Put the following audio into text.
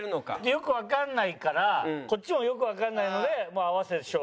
よくわかんないからこっちもよくわかんないのでまあ合わせて勝負。